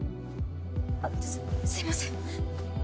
あっすすいません。